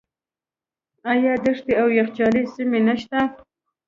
آیا دښتې او یخچالي سیمې نشته؟